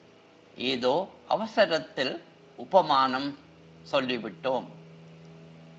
ஏதோ அவசரத்தில் உபமானம் சொல்லிவிட்டோம்.